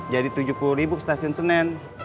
jadi tujuh puluh ke stasiun senen